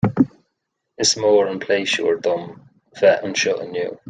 Is mór an pléisiúir dom bheith anseo inniu